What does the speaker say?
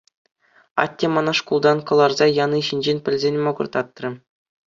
Атте мана шкултан кӑларса яни ҫинчен пӗлсен мӑкӑртатрӗ.